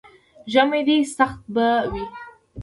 ژمی دی، سخته به وي.